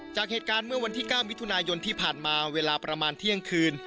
จากเหตุการณ์เมื่อวันที่๙มิถุนายนที่ผ่านมาเวลาประมาณเที่ยงคืน